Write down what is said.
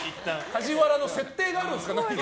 梶原の設定があるんですか？